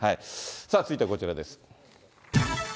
続いてはこちらです。